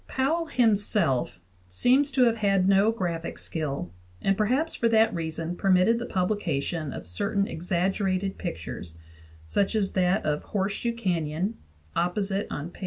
Powell himself seems to have had no graphic skill, and perhaps for that reason permitted the publi cation of certain exaggerated pictures, such as that of Horse shoe Canyon (opposite p.